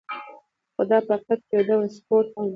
خو دا په حقیقت کې یو ډول سپورت هم و.